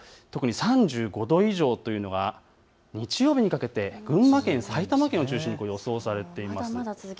３５度以上というのが特に日曜日にかけて群馬県、埼玉県で予想されています。